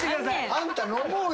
「あんた飲もうよ」